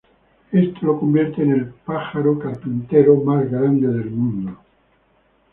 Esto lo convierte en el pájaro carpintero más grande del mundo.